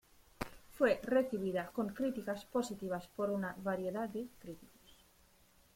Fue recibida con críticas positivas por una variedad de críticos.